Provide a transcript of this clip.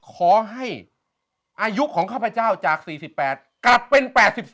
ขอให้อายุของข้าพเจ้าจาก๔๘กลับเป็น๘๒